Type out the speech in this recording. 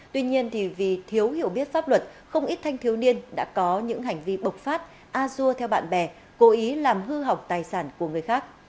tuy nhiên vì thiếu hiểu biết pháp luật không ít thanh thiếu niên đã có những hành vi bộc phát a dua theo bạn bè cố ý làm hư hỏng tài sản của người khác